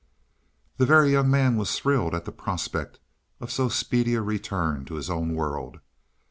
The Very Young Man was thrilled at the prospect of so speedy a return to his own world.